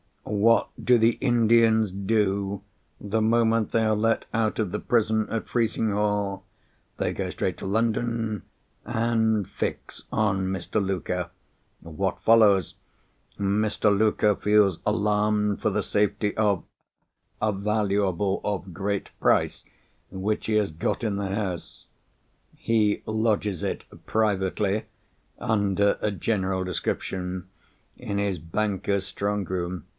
"What do the Indians do, the moment they are let out of the prison at Frizinghall? They go straight to London, and fix on Mr. Luker. What follows? Mr. Luker feels alarmed for the safety of 'a valuable of great price,' which he has got in the house. He lodges it privately (under a general description) in his bankers' strongroom.